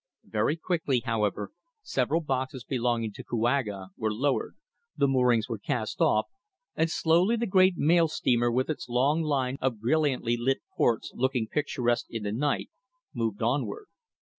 Very quickly, however, several boxes belonging to Kouaga were lowered, the moorings were cast off, and slowly the great mail steamer with its long line of brilliantly lit ports looking picturesque in the night, moved onward.